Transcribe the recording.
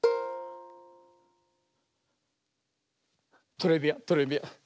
トレビアントレビアン。